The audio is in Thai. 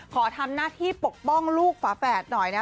ขอทำหน้าที่ปกป้องลูกฝาแฝดหน่อยนะ